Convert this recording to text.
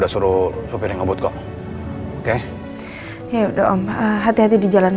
tsare webinarunt italian